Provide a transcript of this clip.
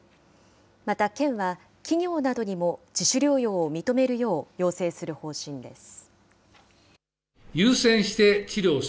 また県は、企業などにも自主療養を認めるよう要請する方針です。